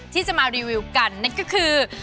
ที่จะมารีวิวกันนั่นก็คือ